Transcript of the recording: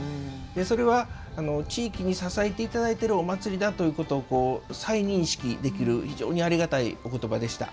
それは、地域に支えていただいているお祭りだということを再認識できる非常にありがたいお言葉でした。